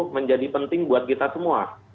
menjadi penting buat kita semua